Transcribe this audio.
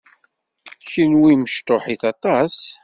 Kenwi mecṭuḥit aṭas.